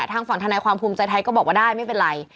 ทางฝั่งธนายความภูมิใจไทยก็บอกว่าได้ไม่เป็นไร